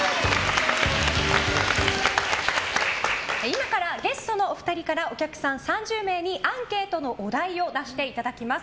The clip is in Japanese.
今からゲストのお二人からお客さん３０名にアンケートのお題を出してもらいます。